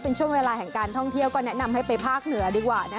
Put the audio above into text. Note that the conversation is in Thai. เป็นช่วงเวลาแห่งการท่องเที่ยวก็แนะนำให้ไปภาคเหนือดีกว่า